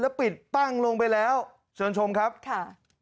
แล้วปิดปั้งลงไปแล้วชวนชมครับค่ะ